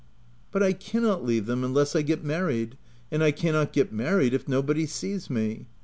" But I cannot leave them unless I get mar ried, and I cannot get married if nobody sees me.